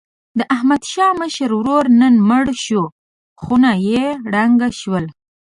د احمد مشر ورور نن مړ شو. خونه یې ړنګه شوله.